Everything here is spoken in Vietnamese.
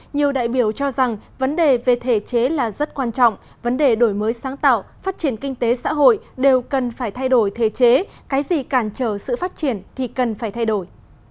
nhiều đại biểu cho rằng vấn đề về thể chế là rất quan trọng vấn đề đổi mới sáng tạo phát triển kinh tế xã hội đều cần phải thay đổi thể chế cái gì cản trở sự phát triển thì cần phải thay đổi